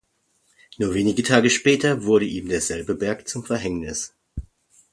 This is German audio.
Nur wenige Tage später wurde ihm derselbe Berg zum Verhängnis.